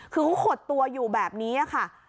คือเขาขดตัวอยู่แบบนี้ค่ะ